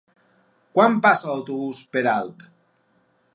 Quan passa l'autobús per Alp?